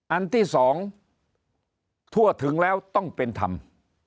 อันที่สองทั่วถึงแล้วต้องเป็นทำ